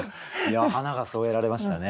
花が添えられましたね。